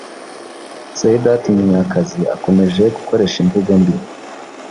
Sadat Munyakazi akomeje gukoresha imvugo mbi